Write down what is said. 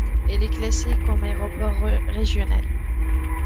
Il est classé comme aéroport régional.